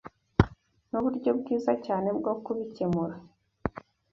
Nuburyo bwiza cyane bwo kubikemura.